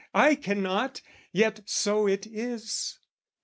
I cannot: yet so it is.